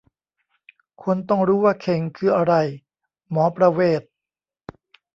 "คนต้องรู้ว่าเข่งคืออะไร : หมอประเวศ"